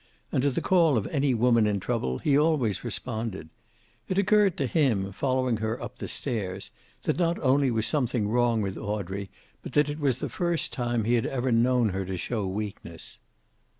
And to the call of any woman in trouble he always responded. It occurred to him, following her up the stairs, that not only was something wrong with Audrey, but that it was the first time he had ever known her to show weakness.